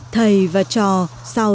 thầy và trò sáng